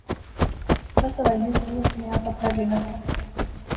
بس ہوائی نے ذریعے سنیاہ پترا گینا سا